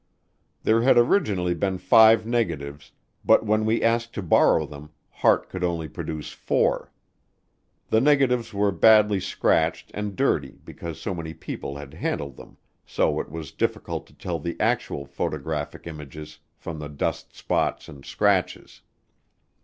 There had originally been five negatives, but when we asked to borrow them Hart could only produce four. The negatives were badly scratched and dirty because so many people had handled them, so it was difficult to tell the actual photographic images from the dust spots and scratches.